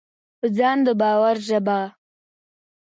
په ځان د باور ژبه: